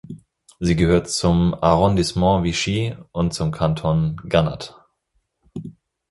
Sie gehört zum Arrondissement Vichy und zum Kanton Gannat.